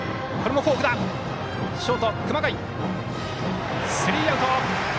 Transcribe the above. ショート、熊谷スリーアウト。